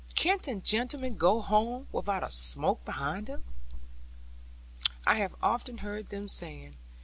"Can't a gentleman go home, without a smoke behind him?" I have often heard them saying.